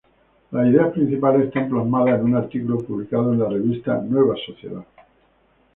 Las ideas principales están plasmadas en un artículo publicado en la revista "Nueva Sociedad".